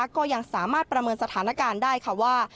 ก็ยังสามารถประเมินสถานการณ์ได้ค่ะว่า